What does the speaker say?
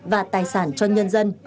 và tài sản cho nhân dân